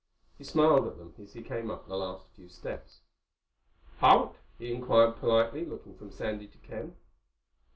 He smiled at them as he came up the last few steps. "Holt?" he inquired politely, looking from Sandy to Ken.